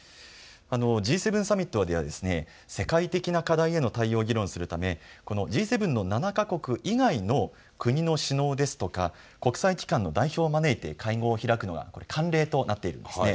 Ｇ７サミットでは世界的な課題への議論をするためＧ７の７か国以外の国の首脳ですとか国際機関の代表を招いて会合を開くのが慣例となっています。